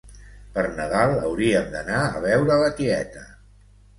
Per Nadal hauríem d'anar a veure la tieta